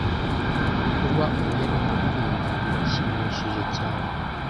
Kuba ubu yari umuririmbyi birashyimishije cyane.